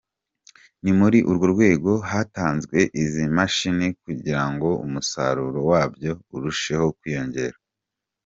Ni muri urwo rwego hatanzwe izi mashini kugira ngo umusaruro wabyo urusheho kwiyongera”.